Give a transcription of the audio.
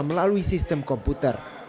melalui sistem komputer